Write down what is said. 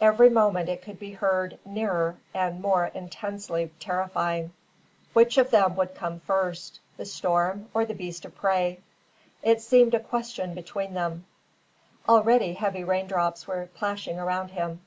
Every moment it could be heard, nearer, and more intensely terrifying. Which of them would come first, the storm or the beast of prey? It seemed a question between them. Already heavy rain drops were plashing around him.